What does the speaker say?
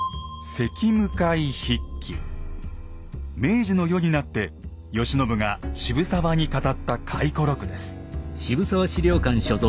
明治の世になって慶喜が渋沢に語った回顧録です。